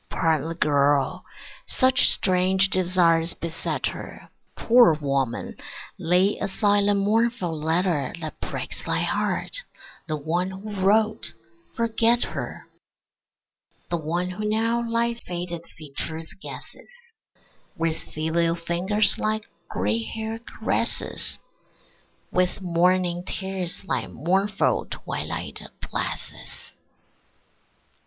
Pardon the girl; such strange desires beset her. Poor woman, lay aside the mournful letter That breaks thy heart; the one who wrote, forget her: The one who now thy faded features guesses, With filial fingers thy gray hair caresses, With morning tears thy mournful twilight blesses.